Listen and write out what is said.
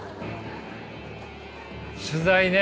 取材ね！